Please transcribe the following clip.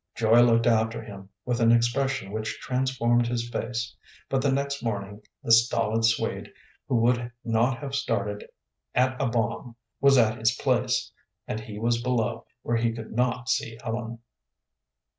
Joy looked after him with an expression which transformed his face. But the next morning the stolid Swede, who would not have started at a bomb, was at his place, and he was below, where he could not see Ellen.